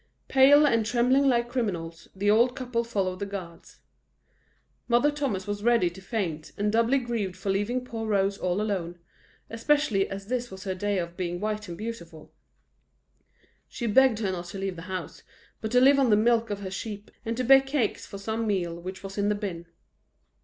Pale, and trembling like criminals, the old couple followed the guards. Mother Thomas was ready to faint, and doubly grieved for leaving poor Rose all alone, especially as this was her day for being white and beautiful. She begged her not to leave the house, but to live on the milk of her sheep, and to bake cakes of some meal which was in the bin.